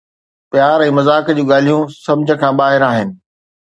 پيار ۽ مذاق جون ڳالهيون سمجھ کان ٻاهر آهن